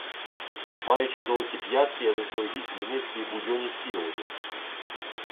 Маючи золоті п'ятки, я заздалегідь змінив свій будьонівський одяг.